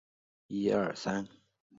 广东中加柏仁学校。